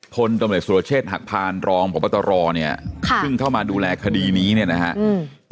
พลตำรวจสุรเชษฐ์หักพานรองพบตรเนี่ยค่ะซึ่งเข้ามาดูแลคดีนี้เนี่ยนะฮะอืม